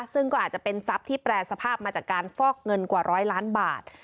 ซึ่งก็อาจจะเป็นทรัพย์ที่แปรสภาพมาจากการฟอกเงินกว่าร้อยล้านบาท